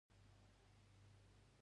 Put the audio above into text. د وېښتیانو تېلو استعمال ګټور دی.